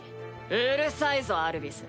うるさいぞアルビス